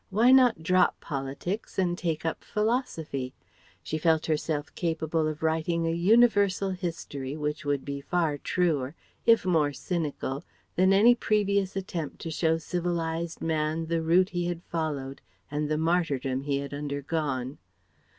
Why not drop politics and take up philosophy? She felt herself capable of writing a Universal History which would be far truer if more cynical than any previous attempt to show civilized man the route he had followed and the martyrdom he had undergone.